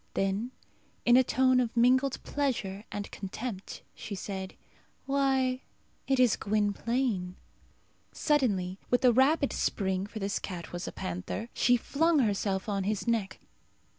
Then, in a tone of mingled pleasure and contempt, she said, "Why, it is Gwynplaine!" Suddenly with a rapid spring, for this cat was a panther, she flung herself on his neck.